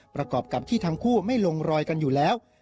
ประกอบกับที่ทั้งคู่ไม่ลงรอยกันอยู่แล้ว